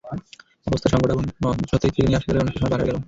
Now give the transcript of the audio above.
অবস্থা সংকটাপন্ন অন্তঃসত্ত্বা স্ত্রীকে নিয়ে হাসপাতালে অনেকটা সময় পার হয়ে গেল।